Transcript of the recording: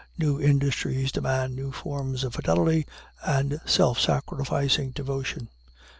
New industries demand new forms of fidelity and self sacrificing devotion.